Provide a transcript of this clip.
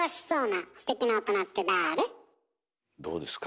どうですか？